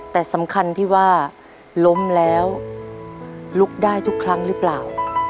แต่สำคัญที่ว่าล้มแล้วลุกได้ทุกครั้งหรือเปล่า